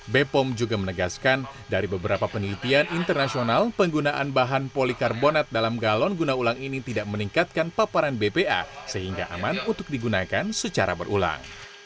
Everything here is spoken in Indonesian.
bepom juga menegaskan dari beberapa penelitian internasional penggunaan bahan polikarbonat dalam galon guna ulang ini tidak meningkatkan paparan bpa sehingga aman untuk digunakan secara berulang